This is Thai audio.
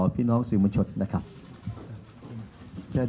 พี่น้องสื่อมัญชนด้วยความโกรภครับ